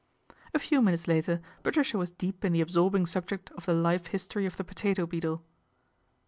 A few minutes later atricia was deep in the absorbing subject of the e history of the potato beetle.